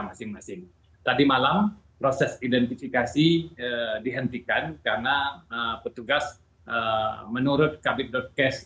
masing masing tadi malam proses identifikasi dihentikan karena petugas menurut kabit cash